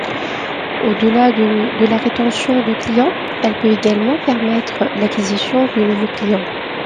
Au-delà de la rétention du client, elle peut également permettre l'acquisition de nouveaux clients.